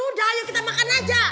udah ayo kita makan aja